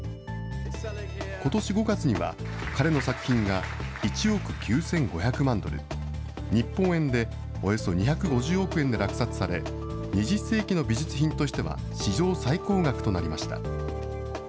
ことし５月には、彼の作品が１億９５００万ドル、日本円でおよそ２５０億円で落札され、２０世紀の美術品としては史上最高額となりました。